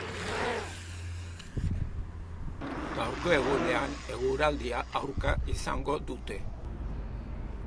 Gaurko egunean, eguraldia aurka izango dute.